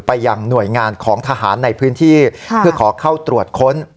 ไปยังหน่วยงานของทหารในพื้นที่เพื่อขอเข้าตรวจค้น